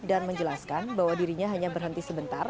dan menjelaskan bahwa dirinya hanya berhenti sebentar